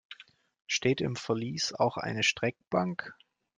Steht im Verlies auch eine Streckbank?